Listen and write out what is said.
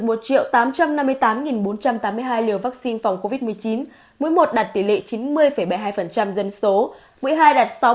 bốn trăm tám mươi hai liều vaccine phòng covid một mươi chín mũi một đạt tỷ lệ chín mươi bảy mươi hai dân số mũi hai đạt sáu mươi chín mươi sáu